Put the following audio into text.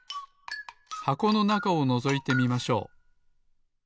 箱のなかをのぞいてみましょう。